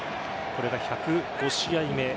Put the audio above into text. これが１０５試合目。